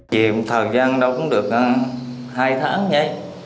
chỉ một thời gian đó cũng được hai tháng nhé